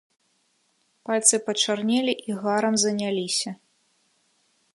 Пальцы пачарнелі і гарам заняліся.